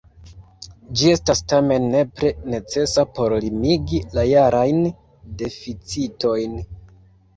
Ĝi estas tamen nepre necesa por limigi la jarajn deficitojn.